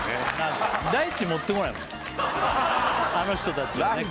あの人たちはね